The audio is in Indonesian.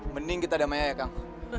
mending kita damai ya kang